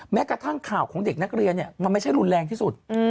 แม้กระทั่งข่าวของเด็กนักเรียนมันไม่ใช่รุนแรงที่สุด